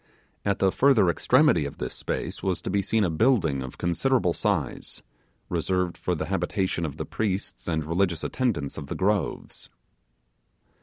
At the further extremity of this space was to be seen a building of considerable size, reserved for the habitation of the priests and religious attendants of the groves.